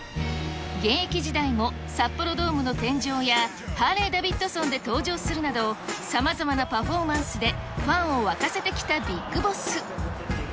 現役時代も札幌ドームの天井や、ハーレーダビッドソンで登場するなど、さまざまなパフォーマンスで、ファンを沸かせてきたビッグボス。